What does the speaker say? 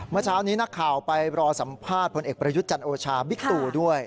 เมื่อเช้านี้นักข่าวไปรอสัมภาษณ์พลเอกประยุทธ์จันโอชาบิ๊กตูด้วย